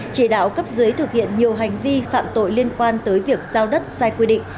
chỉ đạo cấp dưới thực hiện nhiều hành vi phạm tội liên quan tới việc giao đất sai quy định